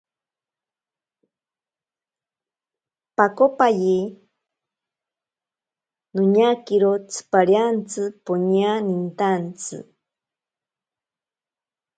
Pakokipaye noñakiro tsipariantsi poña nintantsi.